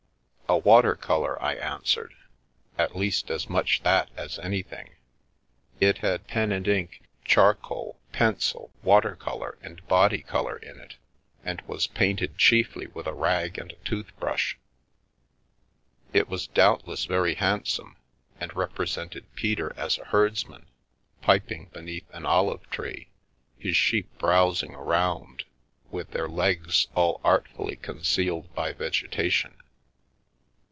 " A water colour," I answered ;" at least as much that as anything. It had pen and ink, charcoal, pencil, water colour and body colour in it, and was painted chiefly with a rag and a tooth brush. It was doubtless very handsome, and represented Peter as a herdsman, piping beneath an olive tree, his sheep browsing around, with their legs all artfully concealed by vegetation.